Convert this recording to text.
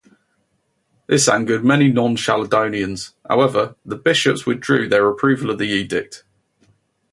This angered many non-Chalcedonians, however, and the bishops withdrew their approval of the edict.